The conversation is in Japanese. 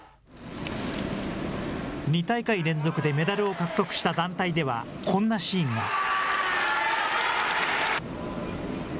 ２大会連続でメダルを獲得した団体では、こんなシーンが。